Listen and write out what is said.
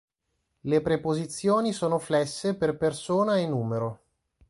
Le preposizioni sono flesse per persona e numero.